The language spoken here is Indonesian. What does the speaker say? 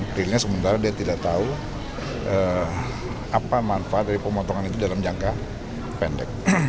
dealnya sementara dia tidak tahu apa manfaat dari pemotongan itu dalam jangka pendek